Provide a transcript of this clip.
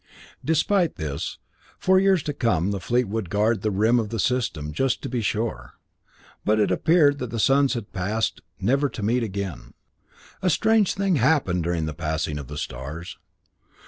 Despite this, for years to come the fleet would guard the rim of the System, just to be sure; but it appeared that the suns had passed, never again to meet. A strange thing had happened during the passing of the stars.